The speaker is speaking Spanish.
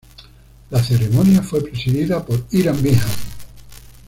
La ceremonia fue presidida por Hiram Bingham.